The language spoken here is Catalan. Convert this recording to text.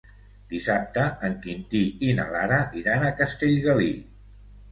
Dissabte en Quintí i na Lara iran a Castellgalí.